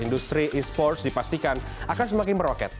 industri esports dipastikan akan semakin meroket